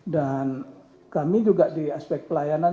dan kami juga di aspek pelayanan